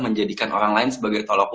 menjadikan orang lain sebagai tolak ukur gitu